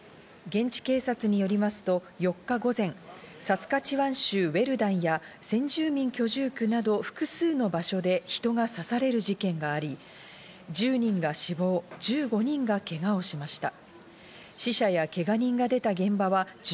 現地警察によりますと４日午前、サスカチワン州ウェルダンや先住民居住区など複数の場所で人が刺される事件があり、１０人が死亡、１５人がけがをしました。